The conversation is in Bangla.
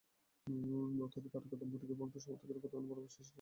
তবে তারকা দম্পতিকে ভক্ত-সমর্থকেরা কতখানি ভালোবাসেন, সেটি জানা যায় কখনো কখনো।